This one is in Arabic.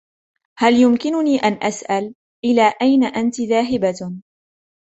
هل يمكنني أن أسأل, إلى أين أنتِ ذاهبة ؟